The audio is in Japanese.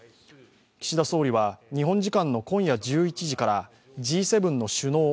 岸田総理は日本時間の今夜１１時からＧ７の首脳